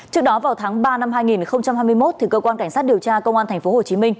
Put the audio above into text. trước đó vào tháng ba năm hai nghìn hai mươi một cơ quan cảnh sát điều tra công an tp hcm